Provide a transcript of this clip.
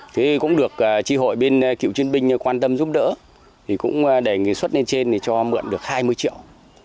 thế thì cũng được tri hội bên cựu chiến binh quan tâm giúp đỡ thì cũng đề nghị xuất lên trên thì cho mượn được hai mươi triệu